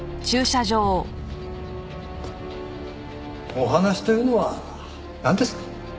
お話というのはなんですか？